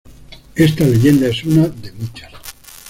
Esta leyenda es una de muchas.